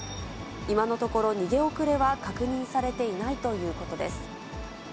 今のところ逃げ遅れは確認されていないということです。